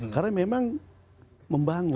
karena memang membangun